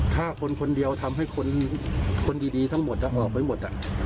ถ้าคนคนเดียวทำให้คนดีทั้งหมดออกไปหมด